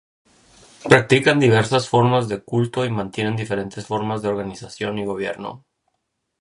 Practican diversas formas de culto y mantienen diferentes formas de organización y gobierno.